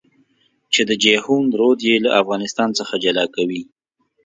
چې د جېحون رود يې له افغانستان څخه جلا کوي.